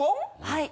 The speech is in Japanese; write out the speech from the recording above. はい。